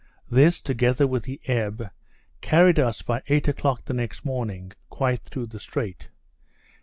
This, together with the ebb, carried us by eight o'clock the next morning quite through the strait.